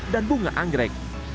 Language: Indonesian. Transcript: dan bunga anggrek